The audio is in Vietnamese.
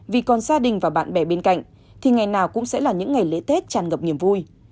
vì còn gia đình và bạn bè bên cạnh thì ngày nào cũng sẽ là những ngày lễ tết tràn ngập niềm vui